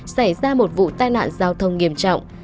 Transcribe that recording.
xảy ra một vụ tai nạn giao thông nghiêm trọng